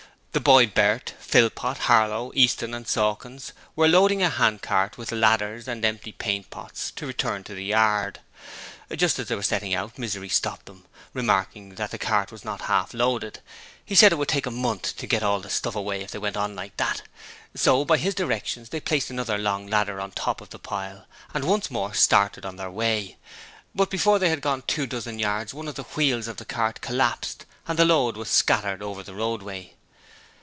The boy Bert, Philpot, Harlow, Easton and Sawkins were loading a hand cart with ladders and empty paint pots to return to the yard. Just as they were setting out, Misery stopped them, remarking that the cart was not half loaded he said it would take a month to get all the stuff away if they went on like that; so by his directions they placed another long ladder on top of the pile and once more started on their way, but before they had gone two dozen yards one of the wheels of the cart collapsed and the load was scattered over the roadway.